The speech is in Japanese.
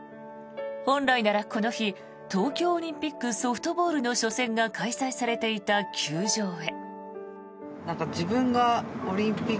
本来ならこの日東京オリンピックソフトボールの初戦が開催されていた球場へ。